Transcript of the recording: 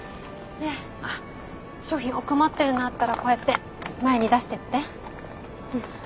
で商品奥まってるのあったらこうやって前に出してって。